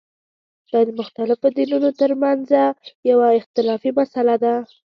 دا د مختلفو دینونو ترمنځه یوه اختلافي مسله ده.